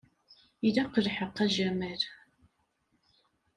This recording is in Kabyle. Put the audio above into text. Ila lḥeqq, a Jamal.